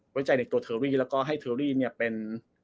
ไว้ใจในตัวเทอรี่แล้วก็ให้เทอรี่เนี่ยเป็น